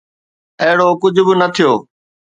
اهڙو ڪجهه به نه ٿيو.